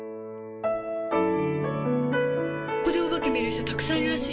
ここでお化け見る人たくさんいるらしいよ。